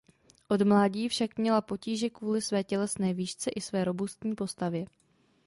Od mládí však měla potíže kvůli své tělesné výšce i své robustní postavě.